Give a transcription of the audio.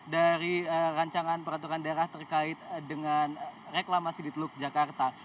dari rancangan peraturan daerah terkait dengan reklamasi di teluk jakarta